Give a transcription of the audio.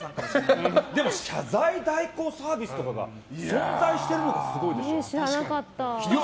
でも謝罪代行サービスとかが存在してるのがすごいでしょ。